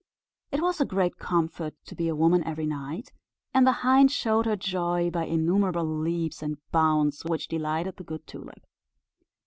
It was a great comfort to be a woman every night; and the hind showed her joy by innumerable leaps and bounds, which delighted the good Tulip.